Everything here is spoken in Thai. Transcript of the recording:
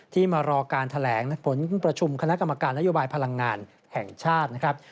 ที่มารอการแถลงผลประชุมคณะกรรมการนโยบายพลังงานแห่งชาตินะครับ